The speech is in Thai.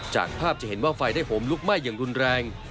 จากภาพจะเห็นว่าไฟได้โหมลุกไหม้อย่างรุนแรง